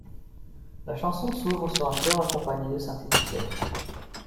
La chanson s'ouvre sur un chœur accompagné de synthétiseurs.